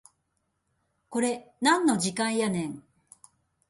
これなんの時間やねん